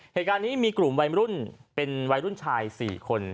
เหตุการณ์นี้มีกลุ่มวัยรุ่นเป็นวัยรุ่นชาย๔คน